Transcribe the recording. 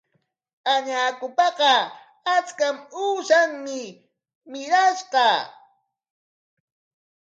Añakupaqa achka uushanmi mirashqa.